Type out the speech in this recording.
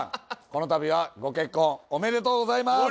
この度はご結婚おめでとうございます。